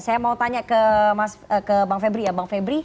saya mau tanya ke bang febri ya